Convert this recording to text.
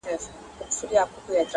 يوه ورځ يې كړ هوسۍ پسي آس پونده،